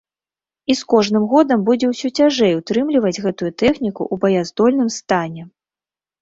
І з кожным годам будзе ўсё цяжэй утрымліваць гэтую тэхніку ў баяздольным стане.